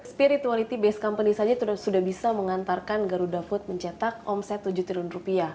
spirituality based company saja sudah bisa mengantarkan garuda food mencetak omset rp tujuh triliun